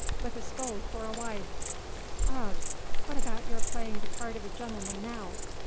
"With a scold for a wife! Ugh! what about your playing the part of a gentleman now?"